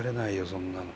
そんなの。